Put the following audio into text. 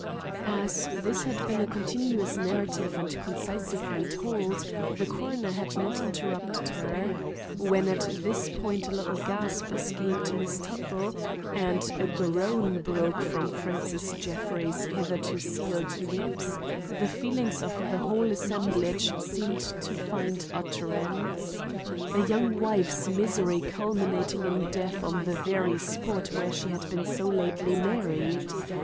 As this had been a continuous narrative and concisely told, the coroner had not interrupted her. When at this point a little gasp escaped Miss Tuttle and a groan broke from Francis Jeffrey's hitherto sealed lips, the feelings of the whole assemblage seemed to find utterance. A young wife's misery culminating in death on the very spot where she had been so lately married!